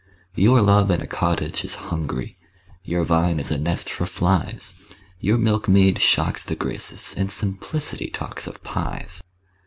Your love in a cottage is hungry, Your vine is a nest for flies Your milkmaid shocks the Graces, And simplicity talks of pies!